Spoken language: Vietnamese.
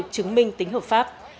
chứng minh tính hợp pháp